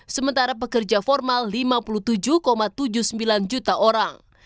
sementara pekerja formal lima puluh tujuh tujuh puluh sembilan juta orang